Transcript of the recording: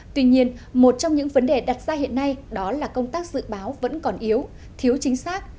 tuy nhiên một trong những vấn đề đặt ra hiện nay đó là công tác dự báo vẫn còn yếu thiếu chính xác